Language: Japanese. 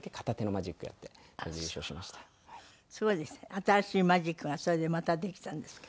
新しいマジックがそれでまたできたんですか？